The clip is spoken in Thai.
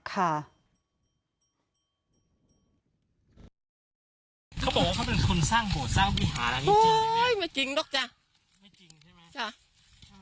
เขาบอกว่าเขาเป็นคนสร้างโหดสร้างวิหารังนี้จริงไหมโอ้ยไม่จริงละจ๊ะไม่จริงใช่ไหม